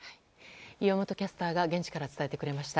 岩本キャスターが現地から伝えてくれました。